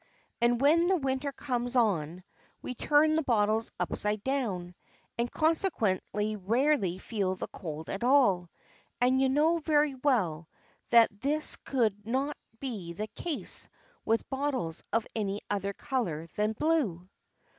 And, when the winter comes on, we turn the bottles upside down, and consequently rarely feel the cold at all; and you know very well that this could not be the case with bottles of any other color than blue."